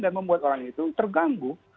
dan membuat orang itu terganggu